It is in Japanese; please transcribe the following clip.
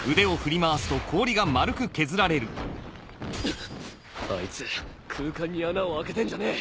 ん⁉あいつ空間に穴を開けてんじゃねえ。